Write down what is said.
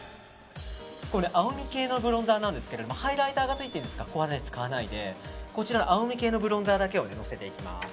青み系のブロンザーなんですけどハイライターがついてるんですがここは使わないで、青み系のブロンザーだけをのせていきます。